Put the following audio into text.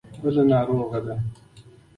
بله ناروغه ده.